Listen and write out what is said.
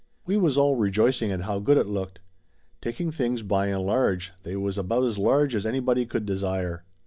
We was all rejoicing at how good it looked. Taking things by and large, they was about as large as anybody could desire.